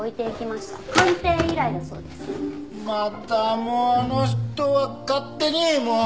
またもうあの人は勝手にもう！